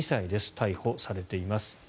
逮捕されています。